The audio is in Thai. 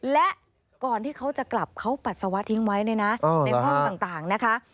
และก่อนที่เขาจะกลับเขาปัสสาวะทิ้งไว้เลยนะในห้องต่างนะคะ